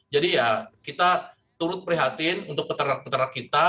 jadi ya kita turut prihatin untuk peternak peternak kita